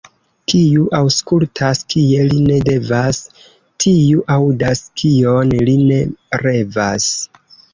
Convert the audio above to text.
Kiu aŭskultas, kie li ne devas, tiu aŭdas, kion li ne revas.